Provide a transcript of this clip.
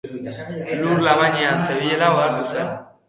Lur labainean zebilela ohartu zen.